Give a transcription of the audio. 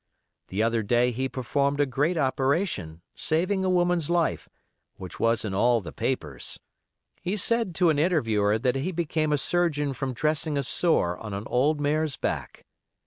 The other day he performed a great operation, saving a woman's life, which was in all the papers. He said to an interviewer that he became a surgeon from dressing a sore on an old mare's back.